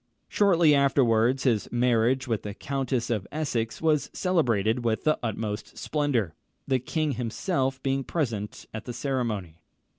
Shortly afterwards, his marriage with the Countess of Essex was celebrated with the utmost splendour, the king himself being present at the ceremony.